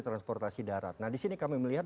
transportasi darat nah disini kami melihat